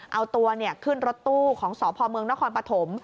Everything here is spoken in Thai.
เอาตัวขึ้นรถตู้ของสพเมืองนครปฐม